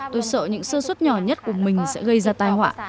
tôi sợ những sơ suất nhỏ nhất của mình sẽ gây ra tai họa